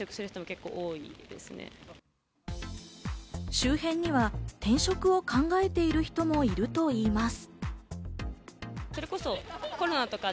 周辺には転職を考えている人もいるといいます。